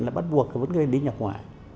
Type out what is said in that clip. là bắt buộc các bất cứ người đi nhập ngoại